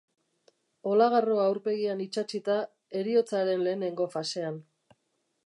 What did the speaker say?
Olagarroa aurpegian itsatsita, heriotzaren lehenengo fasean.